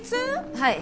はい。